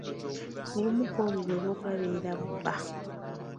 Obumu ku bwo bwe bw’okulabirira bba.